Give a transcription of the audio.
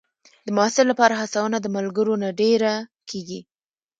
د محصل لپاره هڅونه د ملګرو نه ډېره کېږي.